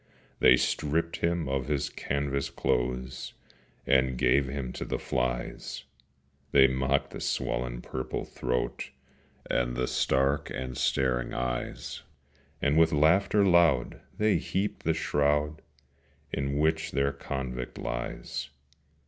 They stripped him of his canvas clothes, And gave him to the flies: They mocked the swollen purple throat, And the stark and staring eyes: And with laughter loud they heaped the shroud In which their convict lies.